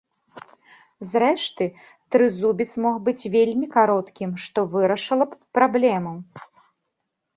Зрэшты, трызубец мог быць вельмі кароткім, што вырашыла б праблему.